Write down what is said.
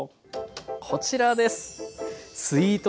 こちらです。